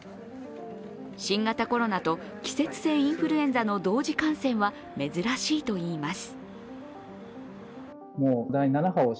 新型コロナと、季節性インフルエンザの同時感染は珍しいといいます。